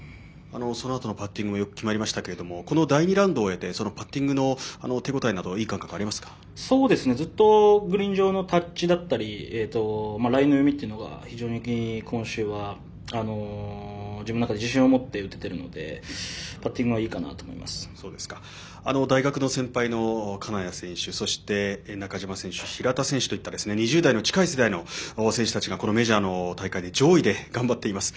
そのあとのパッティングも決まりましたけど第２ラウンドを終えてパッティングの手応えなどずっとグリーン上のタッチだったりラインの読みというのが非常に今週は自分の中で自信を持って打てているのでパッティングはいいかなと大学の先輩の金谷選手そして、中島選手平田選手といった２０代の近い選手がこのメジャーの大会で上位で頑張っています。